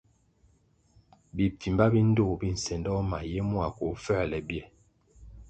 Bipfimba bi ndtoh bi nsendoh ma ye mua koh fuerle bie.